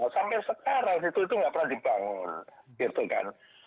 sampai sekarang itu itu nggak pernah dibangun